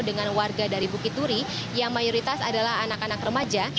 dengan warga dari bukit turi yang mayoritas adalah anak anak remaja